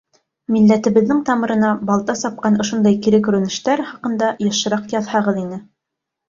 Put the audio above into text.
Милләтебеҙҙең тамырына балта сапҡан ошондай кире күренештәр хаҡында йышыраҡ яҙһағыҙ ине.